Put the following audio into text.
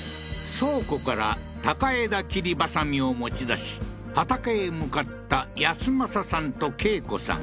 倉庫から高枝切りバサミを持ち出し畑へ向かった安政さんと恵子さん